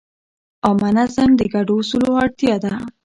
عامه نظم د ګډو اصولو اړتیا لري.